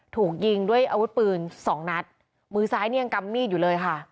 ถูกยิงด้วยอาวุธปืนสองนัดมือซ้ายนี่ยังกำมีดอยู่เลยค่ะ